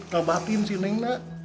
ngebatin si neng